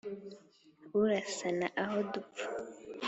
Urasana aho dupfa